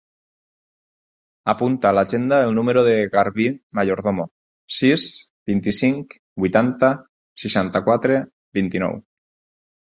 Apunta a l'agenda el número del Garbí Mayordomo: sis, vint-i-cinc, vuitanta, seixanta-quatre, vint-i-nou.